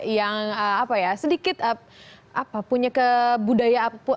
yang sedikit punya kebudayaan